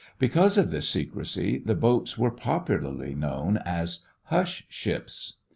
Because of this secrecy the boats were popularly known as "hush ships."